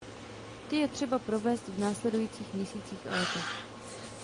Ty je třeba provést v následujících měsících a letech.